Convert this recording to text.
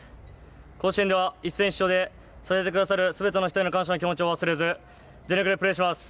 甲子園では一戦必勝で支えてくださる全ての人への感謝の気持ちを忘れず全力でプレーします。